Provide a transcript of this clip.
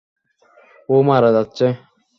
ও মারা যাচ্ছে!